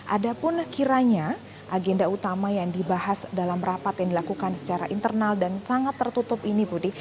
ada pun kiranya agenda utama yang dibahas dalam rapat yang dilakukan secara internal dan sangat tertutup ini budi